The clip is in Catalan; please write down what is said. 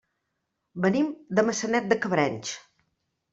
Venim de Maçanet de Cabrenys.